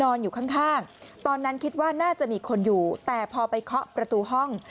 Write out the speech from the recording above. อยู่ข้างตอนนั้นคิดว่าน่าจะมีคนอยู่แต่พอไปเคาะประตูห้อง